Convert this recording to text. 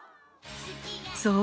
そう！